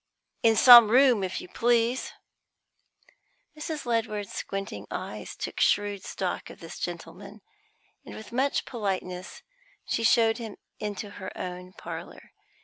In some room, if you please." Mrs. Ledward's squinting eyes took shrewd stock of this gentleman, and, with much politeness, she showed him into her own parlour.